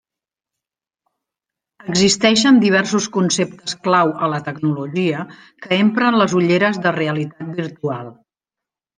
Existeixen diversos conceptes clau a la tecnologia que empren les ulleres de realitat virtual.